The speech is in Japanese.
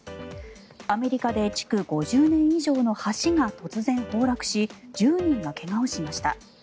アメリカで築５０年以上の橋が突然、崩落し１０人が怪我をしました。